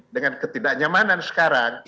dengan ketidaknyamanan sekarang